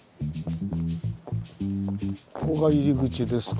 ここが入り口ですか。